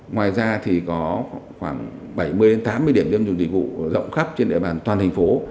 ngoài ra thì có khoảng bảy mươi tám mươi điểm dân chủ dịch vụ rộng khắp trên địa bàn toàn thành phố